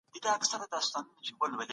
حامد